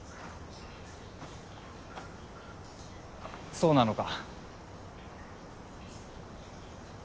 そうなのか？